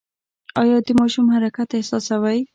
ایا د ماشوم حرکت احساسوئ؟